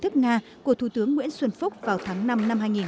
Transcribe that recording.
của thủ tướng nguyễn xuân phúc vào tháng năm năm hai nghìn một mươi chín